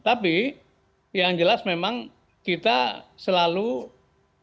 tapi yang jelas memang kita selalu berbicara